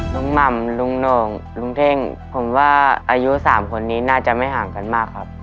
หม่ำลุงโหน่งลุงเท่งผมว่าอายุ๓คนนี้น่าจะไม่ห่างกันมากครับ